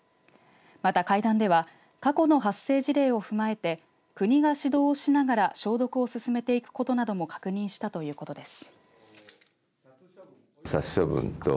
また会談では過去の発生事例を踏まえて国が指導をしながら消毒を進めていくことなども確認したということです。